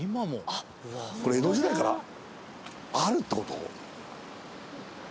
これ江戸時代からあるって事？